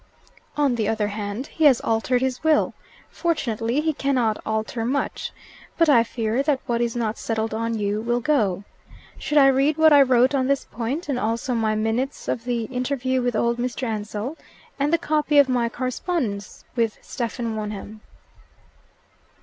"On the other hand, he has altered his will. Fortunately, he cannot alter much. But I fear that what is not settled on you, will go. Should I read what I wrote on this point, and also my minutes of the interview with old Mr. Ansell, and the copy of my correspondence with Stephen Wonham?"